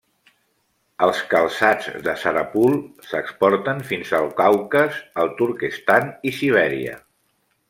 Els calçats de Sarapul s'exporten fins al Caucas, el Turquestan i Sibèria.